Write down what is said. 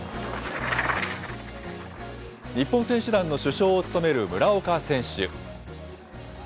日本選手団の主将を務める村岡選手。